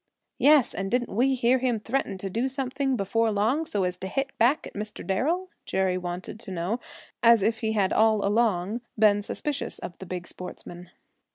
"Yes, and didn't we hear him threaten to do something before long, so as to hit back at Mr. Darrel?" Jerry wanted to know, as if he had all along been suspicious of the big sportsman.